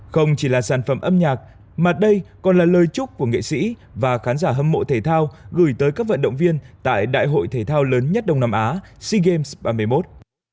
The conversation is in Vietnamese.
không chỉ là sản phẩm âm nhạc mà đây còn là lời chúc của nghệ sĩ và khán giả hâm mộ thể thao gửi tới các vận động viên tại đại hội thể thao lớn nhất đông nam á sea games ba mươi một